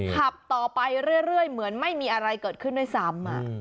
ขับต่อไปเรื่อยเหมือนไม่มีอะไรเกิดขึ้นด้วยซ้ำ